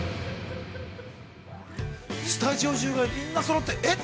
◆スタジオ中が、みんなそろって、えっ？